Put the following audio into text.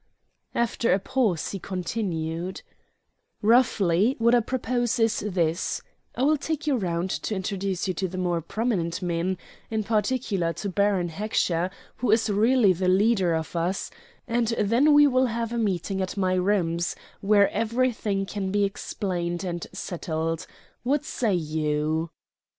After a pause he continued: "Roughly, what I propose is this: I will take you round to introduce you to the more prominent men in particular to Baron Heckscher, who is really the leader of us; and then we will have a meeting at my rooms, where everything can be explained and settled. What say you?"